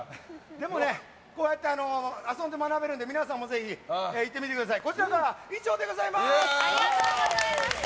でもねこうやって遊んで学べるので皆さんもぜひ行ってみてください。